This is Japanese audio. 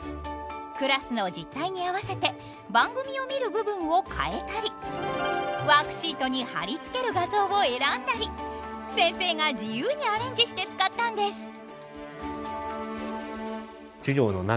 クラスの実態に合わせて番組を見る部分を変えたりワークシートに貼り付ける画像を選んだり先生が自由にアレンジして使ったんです。